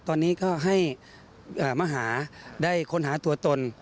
ตอนนี้ก็ให้มหาได้ค้นหาตัวตน